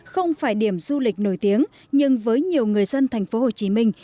không phải điểm du lịch nổi tiếng nhưng với nhiều người dân thành phố hồ chí minh